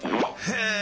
へえ！